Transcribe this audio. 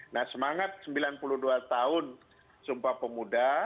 nah semangat sembilan puluh dua tahun sumpah pemuda